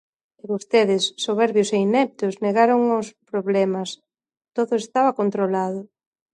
E vostedes, soberbios e ineptos, negaron os problemas; todo estaba controlado.